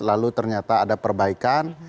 lalu ternyata ada perbaikan